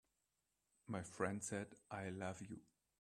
My friend said: "I love you.